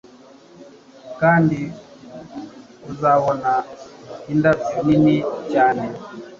Kandi uzabona indabyo nini cyane